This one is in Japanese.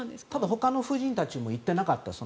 ほかの夫人たちも行ってなかった。